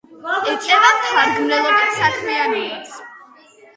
ეწევა მთარგმნელობით საქმიანობას.